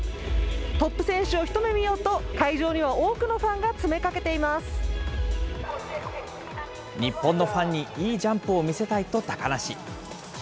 トップ選手を一目見ようと、会場には多くのファンが詰めかけてい日本のファンに、いいジャンプを見せたいと高梨。